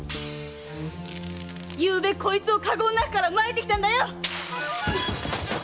昨夜こいつを駕籠の中から撒いてきたんだよっ！